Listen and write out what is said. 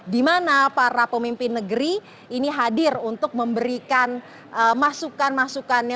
di mana para pemimpin negeri ini hadir untuk memberikan masukan masukannya